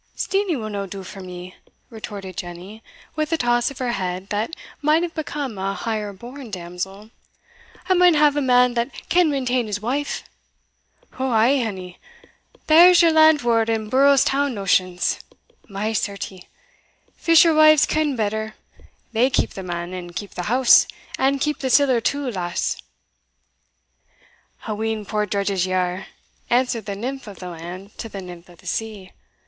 "Steenie will no do for me," retorted Jenny, with a toss of her head that might have become a higher born damsel; "I maun hae a man that can mainteen his wife." "Ou ay, hinny thae's your landward and burrows town notions. My certie! fisherwives ken better they keep the man, and keep the house, and keep the siller too, lass." "A wheen poor drudges ye are," answered the nymph of the land to the nymph of the sea.